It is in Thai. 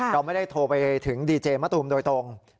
เราไม่ได้โทรไปถึงดีเจมะตูมโดยตรง